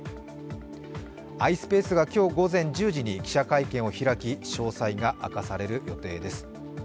ｉｓｐａｃｅが今日午前１０時に記者会見を開き詳細が知らされる予定です。